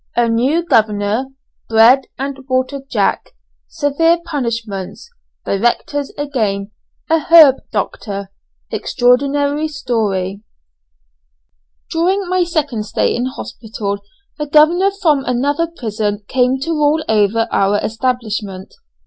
A NEW GOVERNOR BREAD AND WATER JACK SEVERE PUNISHMENTS DIRECTORS AGAIN A HERB DOCTOR EXTRAORDINARY STORY. During my second stay in hospital the governor from another prison came to rule over our establishment.